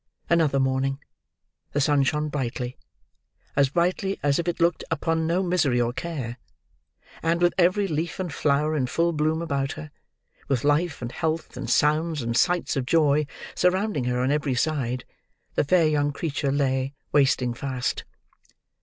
Another morning. The sun shone brightly; as brightly as if it looked upon no misery or care; and, with every leaf and flower in full bloom about her; with life, and health, and sounds and sights of joy, surrounding her on every side: the fair young creature lay, wasting fast.